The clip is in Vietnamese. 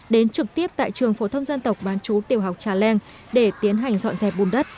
đến trực tiếp tại trường phổ tâm dân tộc bán trú tiểu học trà len để tiến hành dọn dẹp bùn đất